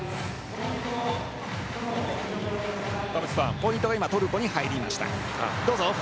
ポイントが今、トルコに入りました。